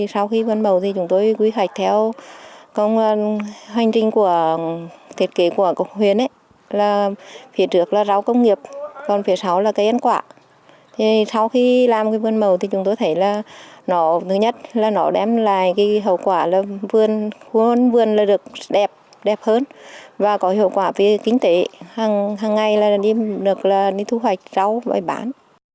sau khi làm vân mậu thì chúng tôi quy hoạch theo hành trình thiết kế của cổng huyến phía trước là rau công nghiệp phía sau là cây ăn quả sau khi làm vân mậu thì chúng tôi thấy là thứ nhất là nó đem lại hậu quả là vườn được đẹp hơn và có hiệu quả về kinh tế hằng ngày là đi thu hoạch rau và bán